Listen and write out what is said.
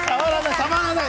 触らない！